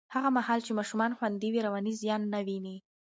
هغه مهال چې ماشومان خوندي وي، رواني زیان نه ویني.